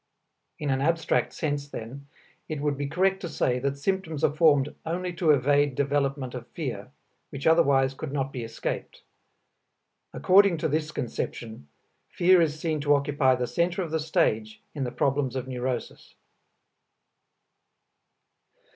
In an abstract sense, then, it would be correct to say that symptoms are formed only to evade development of fear, which otherwise could not be escaped. According to this conception, fear is seen to occupy the center of the stage in the problems of neurosis.